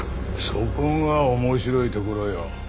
そこが面白いところよ。